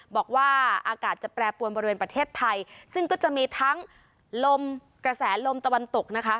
บอกว่าอากาศจะแปรปวนบริเวณประเทศไทยซึ่งก็จะมีทั้งลมกระแสลมตะวันตกนะคะ